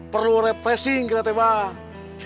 perlu repressing kita mbak